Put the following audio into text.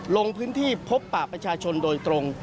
ลงพื้นที่พบปะประชาชนโดยตรง